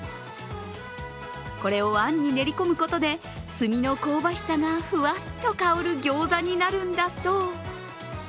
これをあんに練り込むことで炭の香ばしさがふわっと香る餃子になるんだそう。